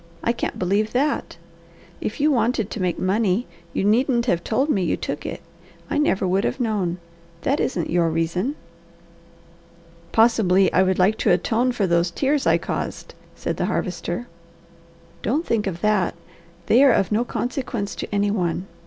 I can't believe that. If you wanted to make money you needn't have told me you took it. I never would have known. That isn't your reason!" "Possibly I would like to atone for those tears I caused," said the Harvester. "Don't think of that! They are of no consequence to any one.